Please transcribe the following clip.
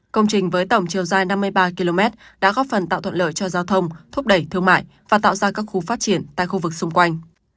công trình với tổng chiều dài năm mươi ba km đã góp phần tạo thuận lợi cho giao thông thúc đẩy thương mại và tạo ra các khu phát triển tại khu vực xung quanh